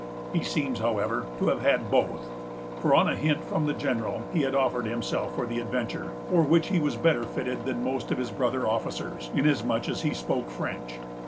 He seems, however, to have had both; for, on a hint from the General, he had offered himself for the adventure, for which he was better fitted than most of his brother officers, inasmuch as he spoke French.